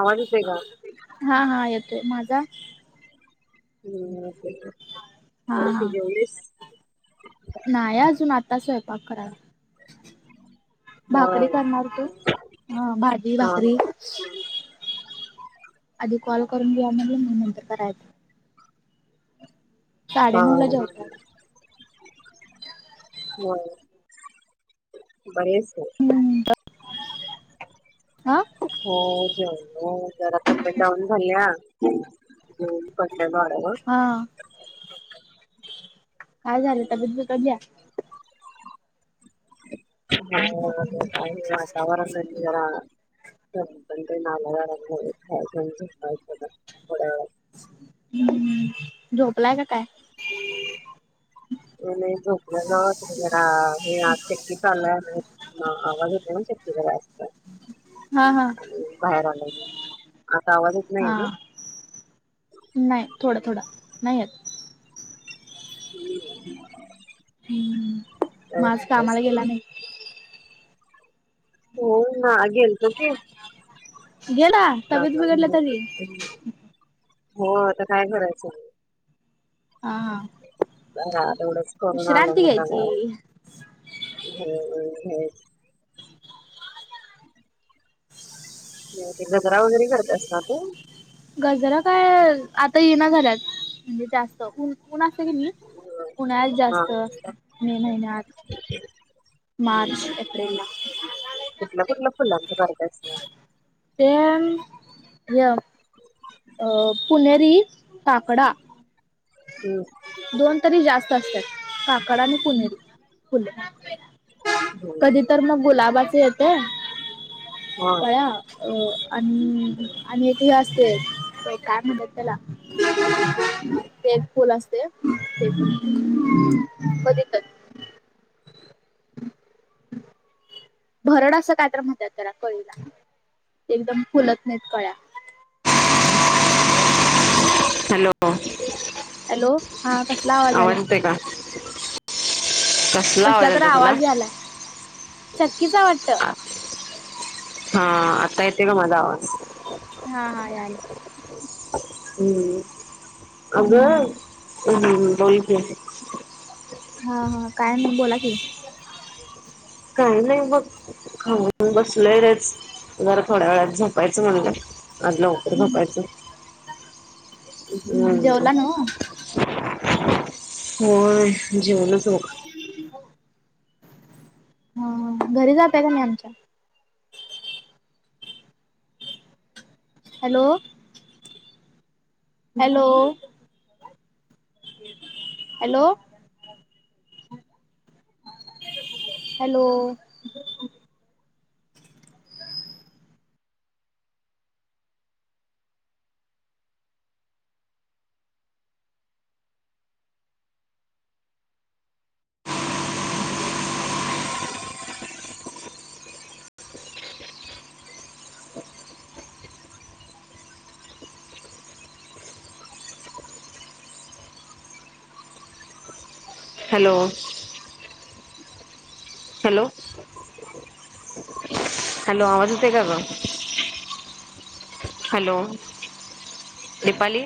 आवाज येतोय का? हा हा येतोय, माझा. हम्म, हा तेती जलीस. नाय अजून, आता स्वयंपाक करा भाकरी होय करणार होतो, ह भाजी हा भाकरी. आधी कॉल करून घ्या म्हणाल, मग नंतर करायचं. हा साडेनऊ ला जावतात. होय, बरीयसेय अ. हो जेवलो, जरा तबेत डाउन झाली या. हम बसल्या् बारवर. हा, काय झालंता बिगडलीया? का तवाररा [unintelligible] [unintelligible] नाराज व्हायला, खायचं न झोपायच, थोड ह् झोपलाय का काय? हम् [inaudible] नाही झोपलो ते जरा, हे आज चकी चालूया नी. हा आवाज होते ना ते त असत हा हा बाहेर आलाय आता आवाज हा नाहीये ना? नाही थोडा थोडा नाही येत हम् काय माझ म्हणतेस? कामाला गेला नाही होय ना, गेलतो की. गेला तब्येत बिघडला तरी हो, आता काय करायचं? हा हा. मला तेवढच करून आलो विश्रांती मुद्दामून, घ्यायची हम्म हम्म. ते गजरा वगैरे करत अस ना तू गजरा काय आता ये ना झाल्यात म्हणजे जास्तऊन ऊन असत की नाही पुण्यात हा जास्त असत मे महिन्यात मार्च एप्रिल ला कुठल्या कुठल्या फुलांच कररजयचं ते पुनेरी काकडा हम् दोन तरी जास्त असतात का कडाु कधी तर मग गुलाबाचे येते पळ अ आणि आणि एक हे असते बय कारण बतला ते फुल असते ते कध भरड असं काय तर म्हणतात करा कळीला ते एकदम फुलत नाहीत कळ्या हॅलो हॅलो हा आवाज आलाय? अते का कसला तर आवाज यालाय चक्कीच वाटत हा आता य तेे का मजा आवात हा हा या हम् अग् हम्म बोल हा हा काय म बोला की काही नाही बघ खाऊन बसलंय रेच जर थोड्या वेळात झपायचं म्हणलं आदलं उकरर झपायचं हम् जेवला नव्ह? हो जेवण सुख ह हा घरी जातय का नाही आमच्या hello hello hello hello hello hello hello आवाजते का ग हॅलो दीपाली